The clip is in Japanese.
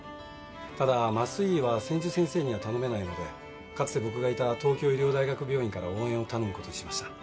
ただ麻酔医は千住先生には頼めないのでかつて僕がいた東京医療大学病院から応援を頼む事にしました。